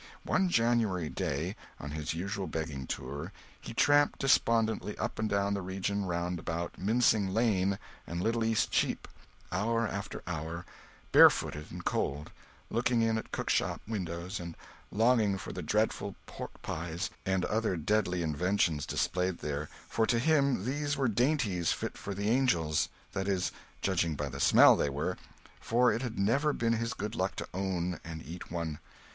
One January day, on his usual begging tour, he tramped despondently up and down the region round about Mincing Lane and Little East Cheap, hour after hour, bare footed and cold, looking in at cook shop windows and longing for the dreadful pork pies and other deadly inventions displayed there for to him these were dainties fit for the angels; that is, judging by the smell, they were for it had never been his good luck to own and eat one.